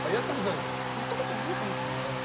やったことないかもしれないです。